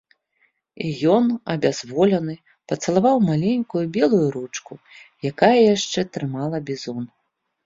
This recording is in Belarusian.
І ён, абязволены, пацалаваў маленькую белую ручку, якая яшчэ трымала бізун.